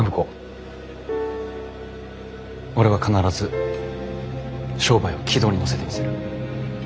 俺は必ず商売を軌道に乗せてみせる。